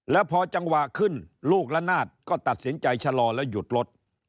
แล้วพอจังหวะขึ้นลูกละนาดก็ตัดสินใจชะลอแล้วหยุดรถ